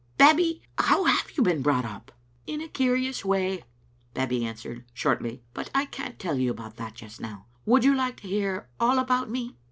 Babbie, how have you been brought up?" "In a curious way," Babbie answered, shortly, "but I can't tell you about that just now. Would you like to hear all about me?"